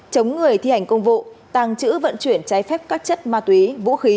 chống người thi hành công vụ tàng trữ vận chuyển trái phép các chất ma túy vũ khí